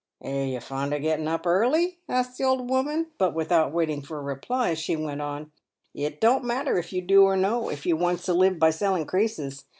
" Are you fond of getting up early ?" asked the old woman ; but without waiting for a reply, she went on :" It don't matter if you do or no if you wants to live by selling creases.